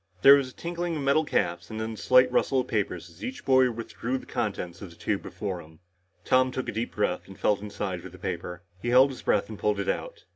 There was a tinkling of metal caps and then the slight rustle of paper as each boy withdrew the contents of the tube before him. Tom took a deep breath and felt inside for the paper. He held his breath and pulled it out.